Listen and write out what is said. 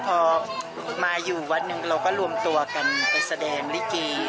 พอมาอยู่วัดหนึ่งเราก็รวมตัวกันไปแสดงลิเก